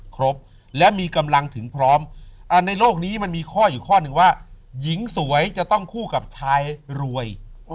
ครบและมีกำลังถึงพร้อมในโลกนี้มันมีข้ออยู่ข้อหนึ่งว่าหญิงสวยจะต้องคู่กับชายรวย